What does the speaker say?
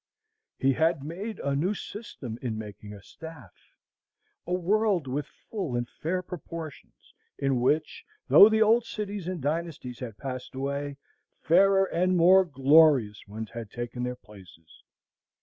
He had made a new system in making a staff, a world with full and fair proportions; in which, though the old cities and dynasties had passed away, fairer and more glorious ones had taken their places.